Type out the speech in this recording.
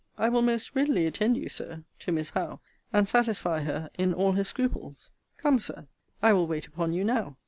I will most readily attend you, Sir, to Miss Howe, and satisfy her in all her scruples. Come, Sir, I will wait upon you now.